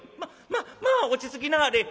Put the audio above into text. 「ままあ落ち着きなはれ」。